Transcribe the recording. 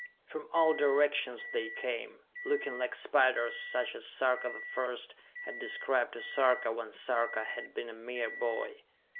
From all directions they came, looking like spiders such as Sarka the First had described to Sarka, when Sarka had been a mere boy.